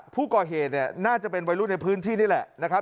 ผู้ก่อเหตุเนี่ยน่าจะเป็นวัยรุ่นในพื้นที่นี่แหละนะครับ